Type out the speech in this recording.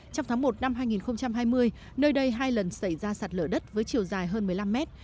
trong tháng một năm hai nghìn hai mươi nơi đây hai lần xảy ra sạt lở đất với chiều dài hơn một mươi năm mét